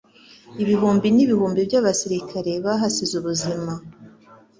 Ibihumbi n'ibihumbi by'abasirikare bahasize ubuzima.